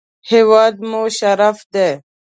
هېواد مو شرف دی